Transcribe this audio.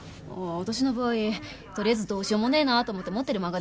私の場合とりあえずどうしようもねえなと思って持ってる漫画